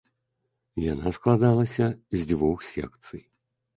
Яна складалася з дзвюх секцый.